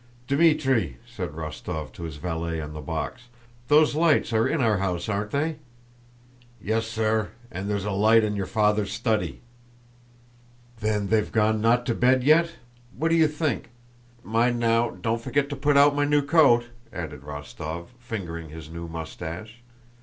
"Dmítri," said Rostóv to his valet on the box, "those lights are in our house, aren't they?" "Yes, sir, and there's a light in your father's study." "Then they've not gone to bed yet? What do you think? Mind now, don't forget to put out my new coat," added Rostóv, fingering his new mustache.